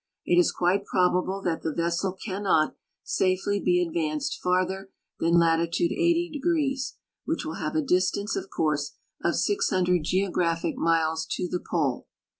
It is quite probable that the ves.sel cannot safely be advanced farther than latitude 80°, which will leave a distance, of course, of 600 geographic miles to the Pole.